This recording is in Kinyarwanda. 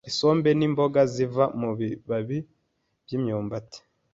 isombe ni imboga ziva mu bibabi by’imyumbati,